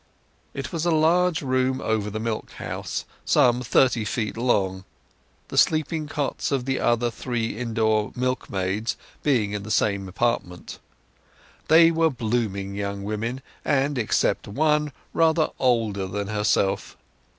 It was a large room over the milk house, some thirty feet long; the sleeping cots of the other three indoor milkmaids being in the same apartment. They were blooming young women, and, except one, rather older than herself.